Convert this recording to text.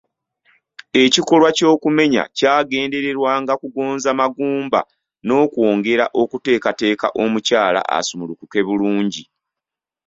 Ekikolwa ky’okumenya kyagendererwanga kugonza magumba n’okwongera okuteekateeka omukyala asumulukuke bulungi.